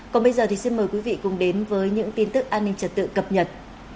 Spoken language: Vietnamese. còn bây giờ thì xin mời quý vị cùng đến với những tin tức an ninh trật tự cập nhật